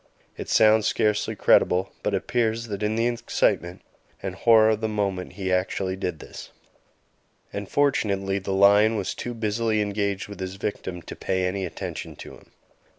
It sounds scarcely credible, but it appears that in the excitement and horror of the moment he actually did this, and fortunately the lion was too busily engaged with his victim to pay any attention to him.